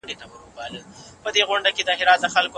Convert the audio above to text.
موږ تېر ماښام د خلګو سره مرسته وکړه.